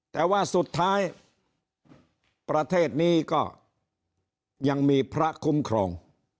แต่ว่าสุดท้ายประเทศนี้ก็ยังมีพระคุ้มครอง